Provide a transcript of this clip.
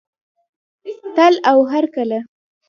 تل او هرکله.